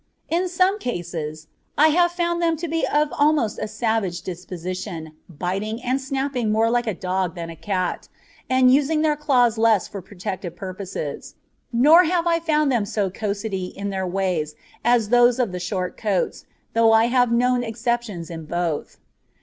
In some few cases I have found them to be of almost a savage disposition, biting and snapping more like a dog than a cat, and using their claws less for protective purposes. Nor have I found them so "cossetty" in their ways as those of the "short coats," though I have known exceptions in both.